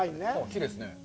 きれいですね。